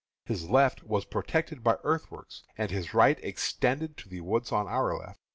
His left was protected by earthworks, and his right extended to the woods on our left.